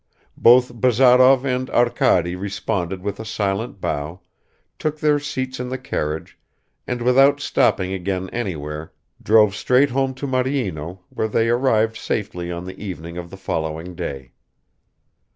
Both Bazarov and Arkady responded with a silent bow, took their seats in the carriage, and without stopping again anywhere, drove straight home to Maryino, where they arrived safely on the evening of the following day.